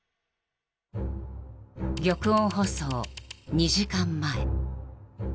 玉音放送２時間前。